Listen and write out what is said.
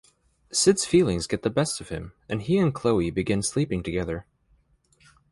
Syd's feelings get the best of him and he and Chloe begin sleeping together.